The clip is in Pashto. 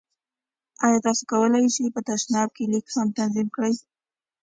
ایا تاسو کولی شئ په تشناب کې لیک هم تنظیم کړئ؟